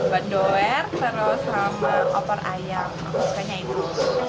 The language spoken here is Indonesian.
babat doer terus sama opor ayam aku sukanya ini